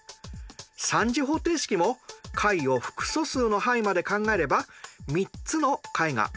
３次方程式も解を複素数の範囲まで考えれば３つの解があるんですよ。